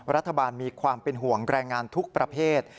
รัฐบาลมีความเป็นห่วงแรงงานทุกประเภท